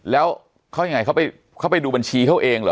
แล้วเขาไปดูบัญชีเขาเองเหรอ